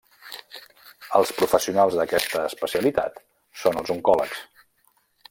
Els professionals d'aquesta especialitat són els oncòlegs.